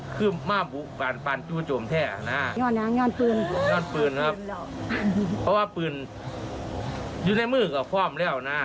เพราะว่าผีนอยู่ในมือเกี่ยวกับฟอมแล้วน่ะ